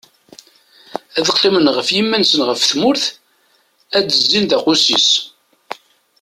Ad qqimen ɣef yiman-nsen ɣef tmurt, ad d-zzin d aqusis.